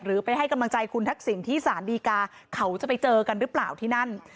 ไปให้กำลังใจคุณทักษิณที่สารดีกาเขาจะไปเจอกันหรือเปล่าที่นั่น